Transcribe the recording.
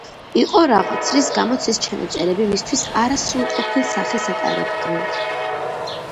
იყო რაღაც, რის გამოც ეს ჩანაწერები მისთვის არასრულყოფილ სახეს ატარებდნენ.